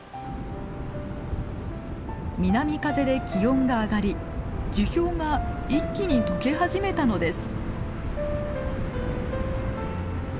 南風で気温が上がり樹氷が一気に溶け始めたのです。